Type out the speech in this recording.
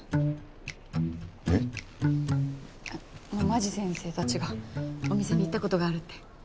間地先生たちがお店に行った事があるって。